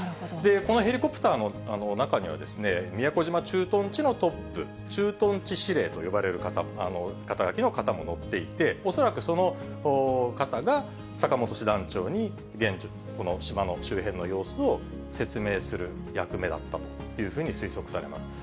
このヘリコプターの中には、宮古島駐屯地のトップ、駐屯地司令と呼ばれる肩書の方も乗っていて、恐らくその方が坂本師団長に、現地、島の周辺の様子を説明する役目だったというふうに推測されます。